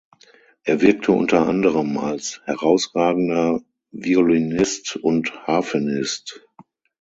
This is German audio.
Er wirkte unter anderem als herausragender Violinist und Harfenist.